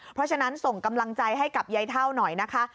เพราะฉะนั้นส่งกำลังใจให้กับยายเท่าหน่อยนะคะ